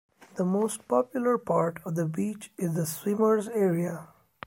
The most popular part of the beach is the swimmers' area.